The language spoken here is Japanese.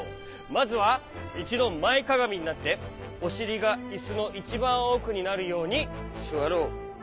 まずはいちどまえかがみになっておしりがいすのいちばんおくになるようにすわろう。